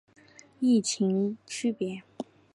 异腈区别。